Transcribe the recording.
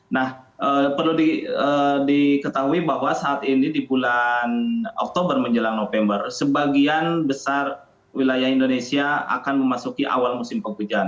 nah perlu diketahui bahwa saat ini di bulan oktober menjelang november sebagian besar wilayah indonesia akan memasuki awal musim penghujan